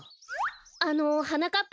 あのはなかっ